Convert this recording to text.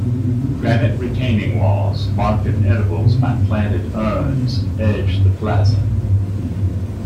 Granite retaining walls, marked at intervals by planted urns, edge the plaza.